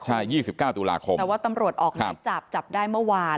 ใช่ยี่สิบเก้าตุลาคมแต่ว่าตำรวจออกแล้วจับจับได้เมื่อวาน